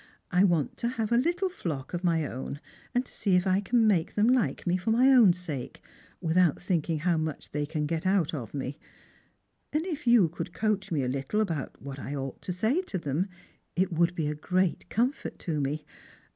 I want to have a little flock of my own, and to see if I can make them like me for my own sake, without thinking how much they can get out of me. And if you could coach me a little about what I ought to say to them, it would be a great comfort to me.